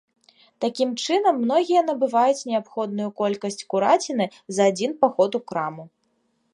Такім чынам многія набываюць неабходную колькасць кураціны за адзін паход у краму.